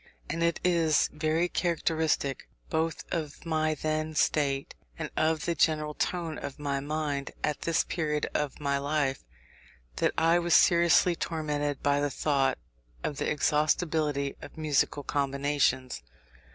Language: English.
And it is very characteristic both of my then state, and of the general tone of my mind at this period of my life, that I was seriously tormented by the thought of the exhaustibility of musical combinations.